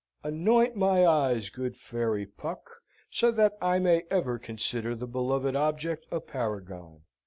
Anoint my eyes, good Fairy Puck, so that I may ever consider the Beloved Object a paragon!